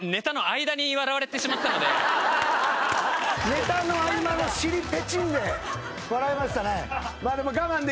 ネタの合間の尻ぺちんで笑いましたね。